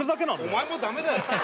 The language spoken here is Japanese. お前もダメだよ